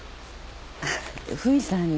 あっフミさんに。